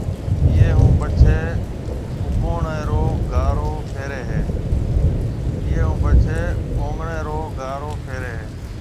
ايئيَ ھون پڇيَ اوڱڻيَ رو گارو ڦيري ھيََََ